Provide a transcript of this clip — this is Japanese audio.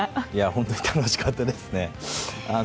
本当に楽しかったですね。